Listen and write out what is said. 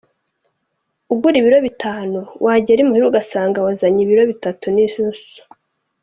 Ugura ibiro bitanu , wagera imuhira ugasanga wazanye ibiro bitatu n’inusu.